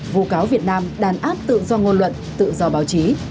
vụ cáo việt nam đàn áp tự do ngôn luận tự do báo chí